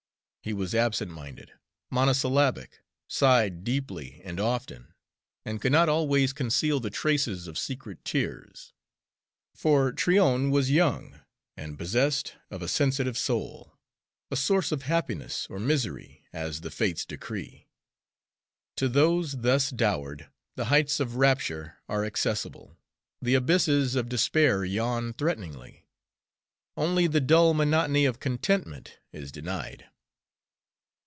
He was absent minded, monosyllabic, sighed deeply and often, and could not always conceal the traces of secret tears. For Tryon was young, and possessed of a sensitive soul a source of happiness or misery, as the Fates decree. To those thus dowered, the heights of rapture are accessible, the abysses of despair yawn threateningly; only the dull monotony of contentment is denied.